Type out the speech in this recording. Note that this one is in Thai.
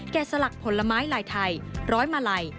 สลักผลไม้ลายไทยร้อยมาลัย